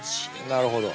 なるほど。